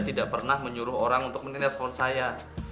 tidak pernah menyuruh orang untuk menelpon saya